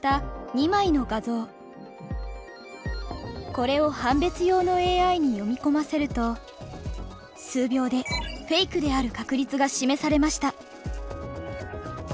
これを判別用のＡＩに読み込ませると数秒でフェイクである確率が示されました。